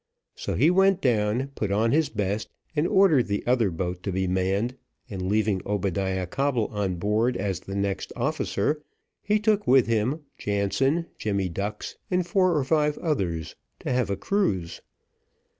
So he went down, put on his best, and ordered the other boat to be manned, and leaving Obadiah Coble on board as the next officer, he took with him Jansen, Jemmy Ducks, and four or five others, to have a cruise.